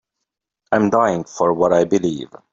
I'm dying for what I believe.